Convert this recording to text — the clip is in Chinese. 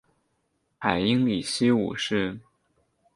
海因里希五世。